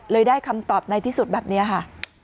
ได้คำตอบในที่สุดแบบนี้ค่ะ